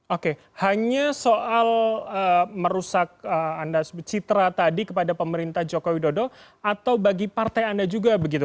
oke hanya soal merusak anda citra tadi kepada pemerintah joko widodo atau bagi partai anda juga begitu